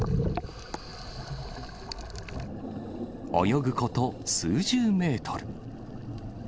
泳ぐこと数十メートル。